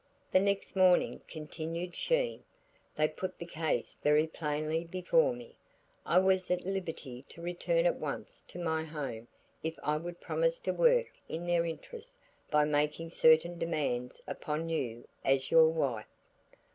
"The next morning," continued she, "they put the case very plainly before me. I was at liberty to return at once to my home if I would promise to work in their interest by making certain demands upon you as your wife.